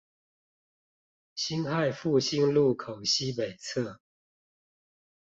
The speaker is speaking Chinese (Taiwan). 辛亥復興路口西北側